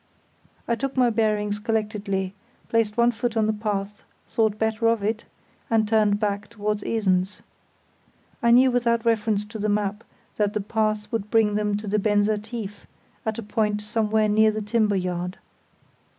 I took my bearings collectedly, placed one foot on the path, thought better of it, and turned back towards Esens. I knew without reference to the map that that path would bring them to the Benser Tief at a point somewhere near the timber yard.